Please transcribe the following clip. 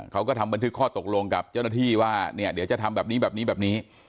เขาก็ทำบันทึกข้อตกลงกับเจ้าหน้าที่ว่าเนี่ยเดี๋ยวจะทำแบบนี้แบบนี้แบบนี้